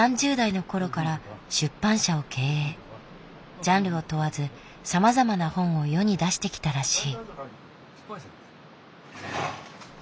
ジャンルを問わずさまざまな本を世に出してきたらしい。